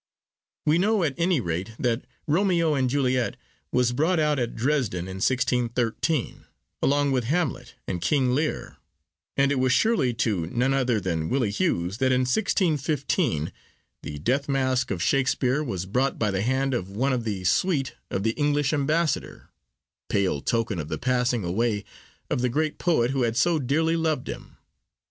We know at any rate that Romeo and Juliet was brought out at Dresden in 1613, along with Hamlet and King Lear, and it was surely to none other than Willie Hughes that in 1615 the death mask of Shakespeare was brought by the hand of one of the suite of the English ambassador, pale token of the passing away of the great poet who had so dearly loved him.